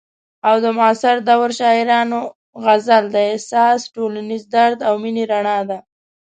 او د معاصر دور شاعرانو غزل د احساس، ټولنیز درد او مینې رڼا ده.